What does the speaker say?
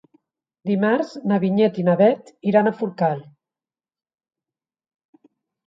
Dimarts na Vinyet i na Bet iran a Forcall.